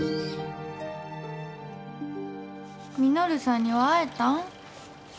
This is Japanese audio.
稔さんには会えたん？